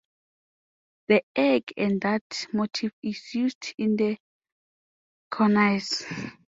The egg and dart motif is used in the cornice.